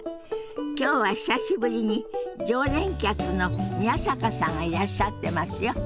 今日は久しぶりに常連客の宮坂さんがいらっしゃってますよ。